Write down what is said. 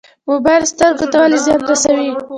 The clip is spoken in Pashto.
موبایل سترګو ته ولې زیان رسوي؟